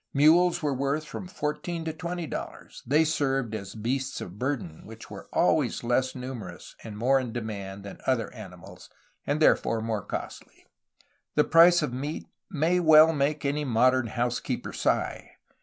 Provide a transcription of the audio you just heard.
Mules were worth from $14 to $20; they served as beasts of burden, which were always less numerous and more in demand than other ani mals, and therefore more costly. The price of meat may well make any modern house keeper sigh.